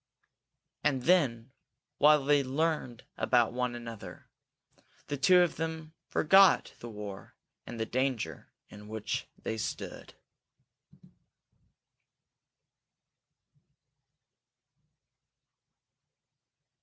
And then while they learned about one another, the two of them forgot the war and the danger in which they stood.